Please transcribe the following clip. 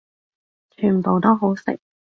全部都好食